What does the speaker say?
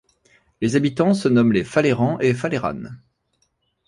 Les habitants se nomment les Fallerans et Falleranes.